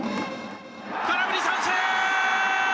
空振り三振！